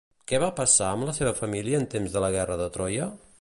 Què va passar amb la seva família en temps de la guerra de Troia?